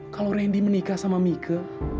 kalau randy menikah sama mika